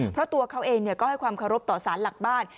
เพราะตัวเขาเองก็ให้ความเคารพต่อสารหลักบ้าน